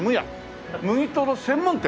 麦とろ専門店？